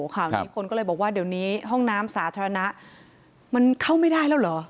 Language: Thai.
ข่าวนี้คนก็เลยบอกว่าเดี๋ยวนี้ห้องน้ำสาธารณะมันเข้าไม่ได้แล้วเหรอ